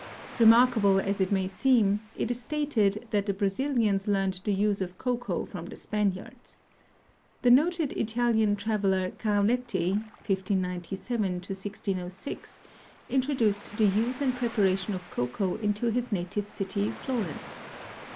Remarkable as it may seem, it is stated that the Brazilians learned the use of cocoa from the Spaniards. The noted Italian traveler Carletti (1597 1606) introduced the use and preparation of cocoa into his native city, Florence.